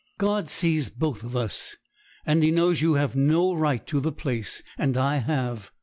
'God sees both of us; and He knows you have no right to the place, and I have.